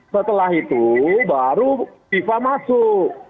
setelah itu baru fifa masuk